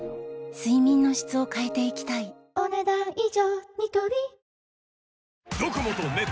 睡眠の質を変えていきたいお、ねだん以上。